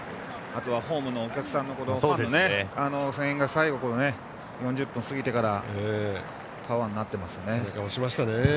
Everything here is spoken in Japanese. あとはホームのお客さん、ファンの声援が最後、４０分過ぎてからパワーになっていましたね。